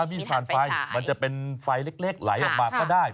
มีฝ่านไฟมันจะเป็นไฟเล็กไหลออกมาก็ได้